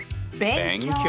勉強！